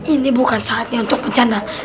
ini bukan saatnya untuk bencana